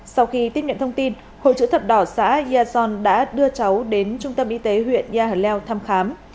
sau khi tiếp nhận thông tin hội chữ thập đỏ xã yà son đã đưa cháu đến trung tâm y tế huyện yà leo thăm khám